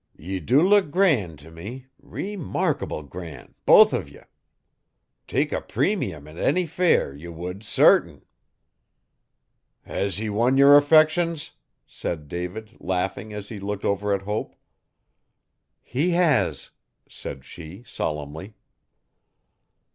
'Ye do look gran' to me ree markable gran', both uv ye. Tek a premium at any fair ye would sartin.' 'Has he won yer affections?' said David laughing as he looked over at Hope. 'He has,' said she solemnly.